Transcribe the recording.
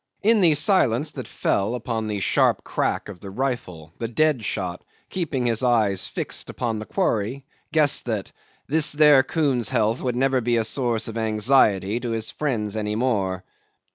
In the silence that fell upon the sharp crack of the rifle, the dead shot, keeping his eyes fixed upon the quarry, guessed that "this there coon's health would never be a source of anxiety to his friends any more."